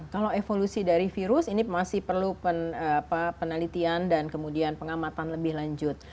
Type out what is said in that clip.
kalau evolusi dari virus ini masih perlu penelitian dan kemudian pengamatan lebih lanjut